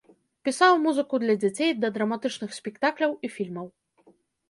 Пісаў музыку для дзяцей, да драматычных спектакляў і фільмаў.